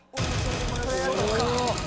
そっか。